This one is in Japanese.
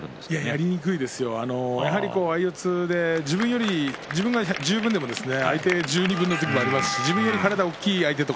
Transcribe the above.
やりにくいですよやはり相四つで自分が自分十分でも相手十二分の時もありますし自分より体が大きい相手だと